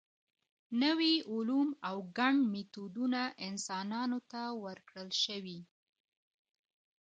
نوي علوم او ګڼ میتودونه انسانانو ته ورکړل شوي.